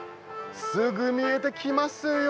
すぐ見えてきますよ！